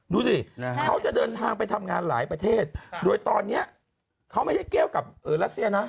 ดูสิเขาจะเดินทางไปทำงานหลายประเทศโดยตอนนี้เขาไม่ได้แก้วกับรัสเซียนะ